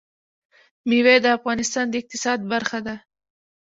مېوې د افغانستان د اقتصاد برخه ده.